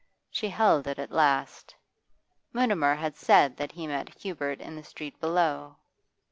She held it at last; Mutimer had said that he met Hubert in the street below.